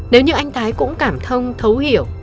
nếu như anh thái cũng cảm thông thấu hiểu